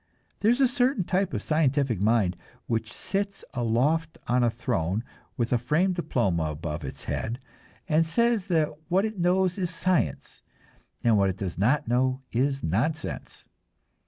There is a certain type of scientific mind which sits aloft on a throne with a framed diploma above its head, and says that what it knows is science and what it does not know is nonsense.